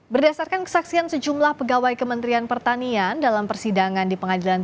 berdasarkan kesaksian sejumlah pegawai kementerian pertanian dalam persidangan di pengadilan